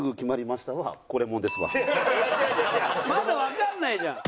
まだわかんないじゃん！